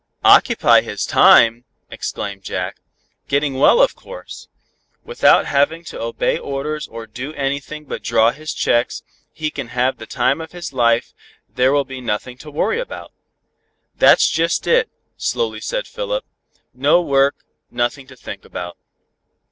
"Occupy his time!" exclaimed Jack, "getting well of course. Without having to obey orders or do anything but draw his checks, he can have the time of his life, there will be nothing to worry about." "That's just it," slowly said Philip. "No work, nothing to think about."